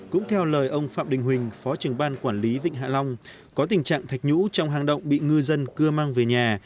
cũng theo lời ông phạm đình huỳnh phó trưởng ban quản lý vịnh hạ long có tình trạng thạch nhũ trong hang động bị ngư dân cư mang về nhà